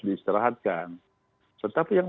diserahkan tetapi yang